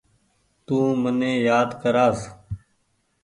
تو مني يآد ڪرآس ۔